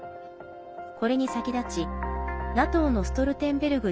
これに先立ち、ＮＡＴＯのストルテンベルグ